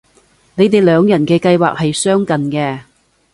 你哋兩人嘅計劃係相近嘅